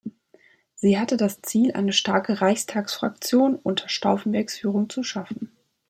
Sie hatte das Ziel, eine starke Reichstagsfraktion unter Stauffenbergs Führung zu schaffen.